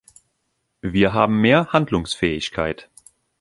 Wir haben mehr Handlungsfähigkeit.